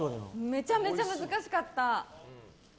めちゃめちゃ難しかった。